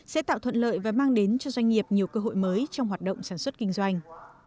sẽ tạo thuận lợi và mang đến cho doanh nghiệp nhiều cơ hội mới trong hoạt động sản xuất kinh doanh